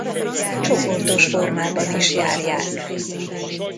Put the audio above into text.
Csoportos formában is járják.